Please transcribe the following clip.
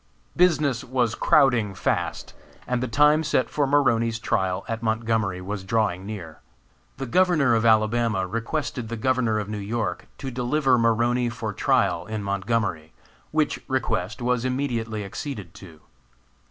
Business was crowding fast, and the time set for Maroney's trial at Montgomery was drawing near. The Governor of Alabama requested the Governor of New York to deliver Maroney for trial in Montgomery, which request was immediately acceded to.